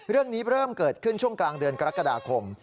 เรื่องนี้เริ่มเกิดขึ้นช่วงกลางเดือนกรกฎาคม